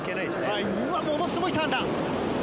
うわっものすごいターンだ！